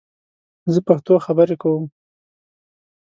زه پښتو خبرې کوم